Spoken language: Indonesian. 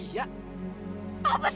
jelasin apa lagi